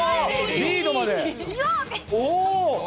リードまで。